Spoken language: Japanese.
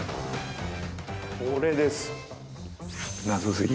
これです。